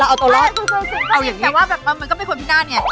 ก็นิดนึงแต่ก็เป็นกว่าพี่นาสไง